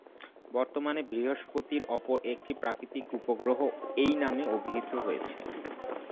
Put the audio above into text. বর্তমানে বৃহস্পতির অপর একটি প্রাকৃতিক উপগ্রহ এই নামে অভিহিত হয়েছে।